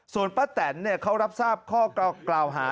ส่วนป้าแตนเขารับทราบข้อกล่าวหา